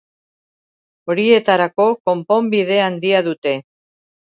Horietarako konponbide handia dute.